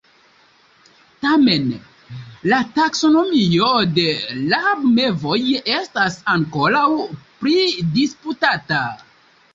Tamen la taksonomio de rabmevoj estas ankoraŭ pridisputata.